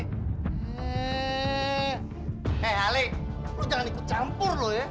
hei ali lo jangan ikut campur lo ya